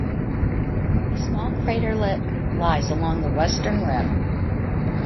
A small craterlet lies along the western rim.